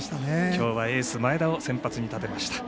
今日はエース前田を先発に立てました。